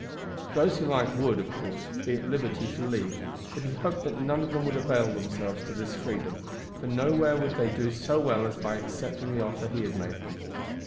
Those who liked would, of course, be at liberty to leave; but he hoped that none of them would avail themselves of this freedom, for nowhere would they do so well as by accepting the offer he made them.